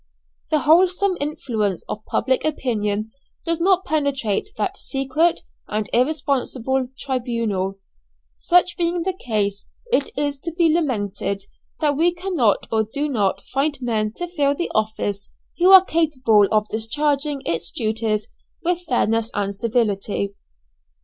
The wholesome influence of public opinion does not penetrate that secret and irresponsible tribunal. Such being the case, it is to be lamented that we cannot or do not find men to fill the office who are capable of discharging its duties with fairness and civility.